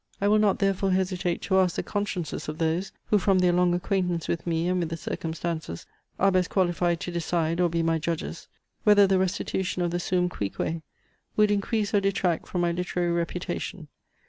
I will not therefore hesitate to ask the consciences of those, who from their long acquaintance with me and with the circumstances are best qualified to decide or be my judges, whether the restitution of the suum cuique would increase or detract from my literary reputation.